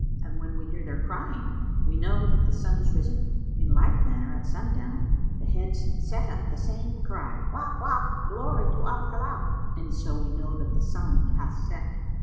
And when we hear their crying, we know that the sun is risen. In like manner, at sundown, the heads set up the same cry, 'Wak! Wak! Glory to Al Khallak!' and so we know that the sun hath set.